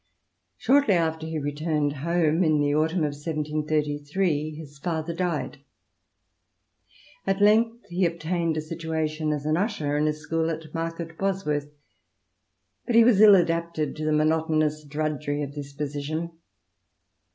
Shortly after he returned home, in the autumn of 1731, his father died At length he obtained a situation as an usher in a school at Market Bosworth, but he was ill adapted to the monotonous drudgery of this position.